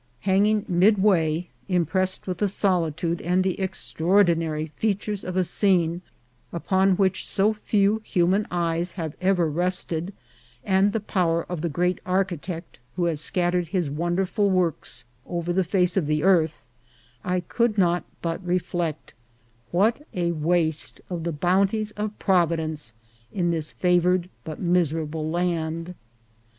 Hanging midway, impressed with the solitude and the extraordinary features of a scene upon which so few human eyes have ever rested, and the power of the great Architect who has scattered his wonderful works over the whole face of the earth, I could not but reflect, what a waste of the bounties of Providence in this favoured but miserable land